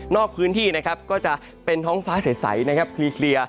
พื้นที่นะครับก็จะเป็นท้องฟ้าใสนะครับเคลียร์